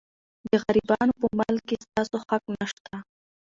د غریبانو په مال کې ستاسو حق نشته.